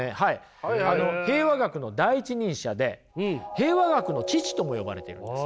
平和学の第一人者で平和学の父とも呼ばれているんです。